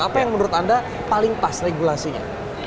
apa yang menurut anda paling pas regulasinya